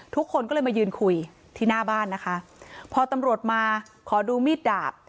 ทุกคนก็เลยมายืนคุยที่หน้าบ้านนะคะพอตำรวจมาขอดูมีดดาบ